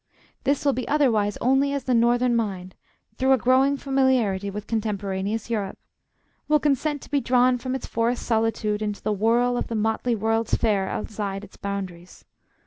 This will be otherwise only as the northern mind, through a growing familiarity with contemporaneous Europe, will consent to be drawn from its forest solitude into the whirl of the motley World's Fair outside its boundaries.